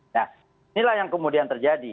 nah inilah yang kemudian terjadi